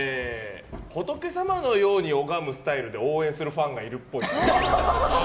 仏様のように拝むスタイルで応援するファンがいるっぽい。